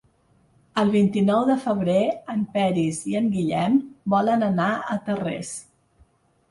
El vint-i-nou de febrer en Peris i en Guillem volen anar a Tarrés.